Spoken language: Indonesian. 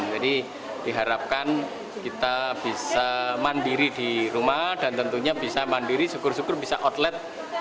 jadi diharapkan kita bisa mandiri di rumah dan tentunya bisa mandiri syukur syukur bisa outlet